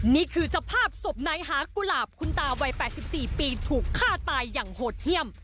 นี่คือสภาพศพนายหากุหลาบคุณตาวัย๘๔ปีถูกฆ่าตายอย่างโหดเยี่ยม